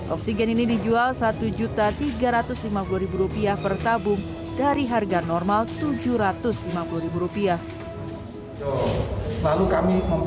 oksigen ini dijual rp satu tiga ratus lima puluh per tabung dari harga normal rp tujuh ratus lima puluh rupiah